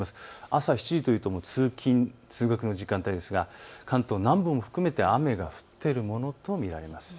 朝７時というと通勤、通学の時間帯ですが関東南部を含めて、雨が降っているものと見られます。